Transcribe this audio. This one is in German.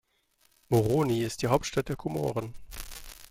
Moroni ist die Hauptstadt von Komoren.